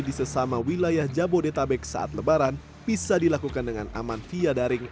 di sesama wilayah jabodetabek saat lebaran bisa dilakukan dengan aman via daring